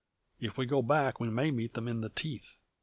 "If we go back we may meet them in the teeth.